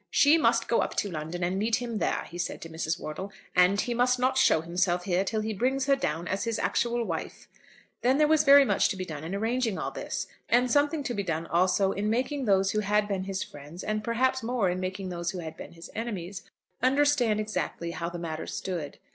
"She must go up to London and meet him there," he said to Mrs. Wortle. "And he must not show himself here till he brings her down as his actual wife." Then there was very much to be done in arranging all this. And something to be done also in making those who had been his friends, and perhaps more in making those who had been his enemies, understand exactly how the matter stood.